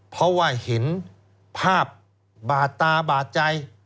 เพราะว่าเห็นภาพบาดตาบาดใจ